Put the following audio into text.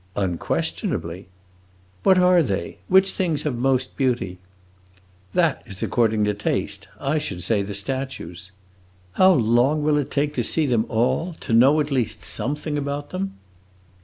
"Unquestionably." "What are they? which things have most beauty?" "That is according to taste. I should say the statues." "How long will it take to see them all? to know, at least, something about them?"